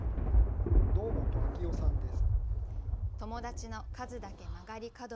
堂本明代さんです。